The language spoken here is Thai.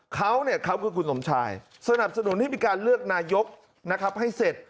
เขาคือคุณสมชายสนับสนุนที่มีการเลือกนายกให้เสร็จ